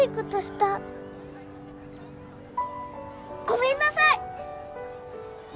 ごめんなさい！